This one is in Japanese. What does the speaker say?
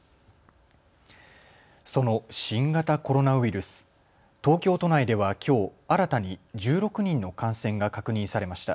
その新型コロナウイルス、東京都内ではきょう新たに１６人の感染が確認されました。